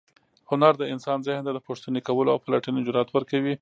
هنر د انسان ذهن ته د پوښتنې کولو او پلټنې جرات ورکوي.